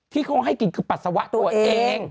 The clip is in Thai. ที่เขาให้กินคือปัสสาวะตัวเอง